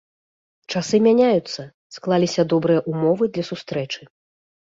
Часы мяняюцца, склаліся добрыя ўмовы для сустрэчы.